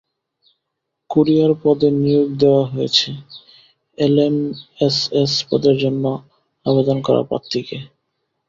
Courier পদে নিয়োগ দেওয়া হয়েছে এলএমএসএস পদের জন্য আবেদন করা প্রার্থীকে।